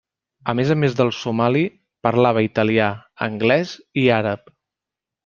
A més a més del somali, parlava italià, anglès i àrab.